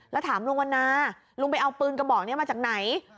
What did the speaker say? แล้วถามลุงวันนาลุงไปเอาปืนกระบอกนี้มาจากไหน